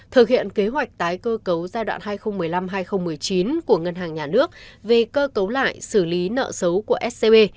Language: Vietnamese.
thực hiện kế hoạch tái cơ cấu giai đoạn hai nghìn một mươi năm hai nghìn một mươi chín của ngân hàng nhà nước về cơ cấu lại xử lý nợ xấu của scb